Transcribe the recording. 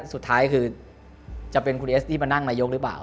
สุดท้ายคือจะเป็นคุณเอสที่มานั่งนายกหรือเปล่า